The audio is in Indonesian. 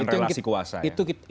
dengan relasi kuasa ya